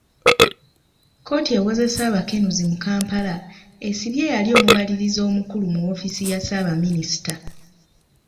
Kkooti ewozesa abakenuzi mu Kampala, esibye eyali omubalirizi omukulu mu woofiisi ya Ssaabaminisita.